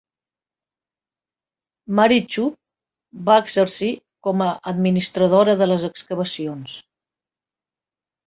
Mary Chubb va exercir com a administradora de les excavacions.